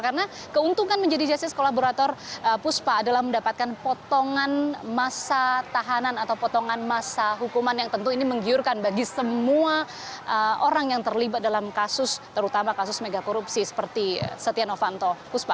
karena keuntungan menjadi justice kolaborator puspa adalah mendapatkan potongan masa tahanan atau potongan masa hukuman yang tentu ini menggiurkan bagi semua orang yang terlibat dalam kasus terutama kasus megakorupsi seperti setia novanto